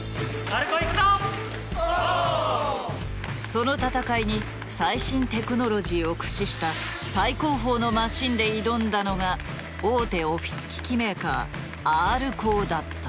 その戦いに最新テクノロジーを駆使した最高峰のマシンで挑んだのが大手オフィス機器メーカーＲコーだった。